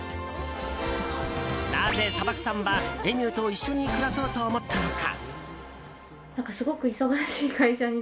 なぜ砂漠さんはエミューと一緒に暮らそうと思ったのか。